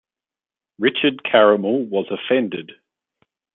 Richard Caramel was offended.